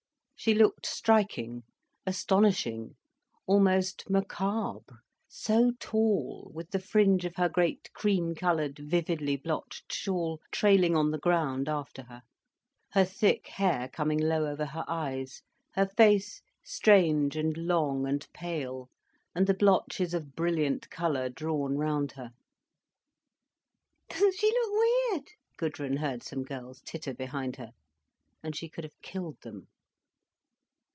She looked striking, astonishing, almost macabre, so tall, with the fringe of her great cream coloured vividly blotched shawl trailing on the ground after her, her thick hair coming low over her eyes, her face strange and long and pale, and the blotches of brilliant colour drawn round her. "Doesn't she look weird!" Gudrun heard some girls titter behind her. And she could have killed them.